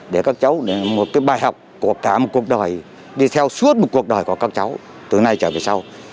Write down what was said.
để các cháu một cái bài học của cả một cuộc đời đi theo suốt một cuộc đời của các cháu từ nay trở về sau